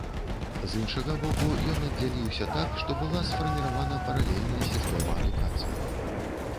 З іншага боку, ён аддзяліўся, так што была сфарміравана паралельная сістэма адукацыі.